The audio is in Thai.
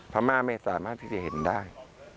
พม่าไม่สามารถที่จะเห็นได้